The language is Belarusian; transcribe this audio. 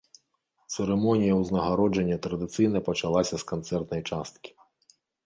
Цырымонія ўзнагароджання традыцыйна пачалася з канцэртнай часткі.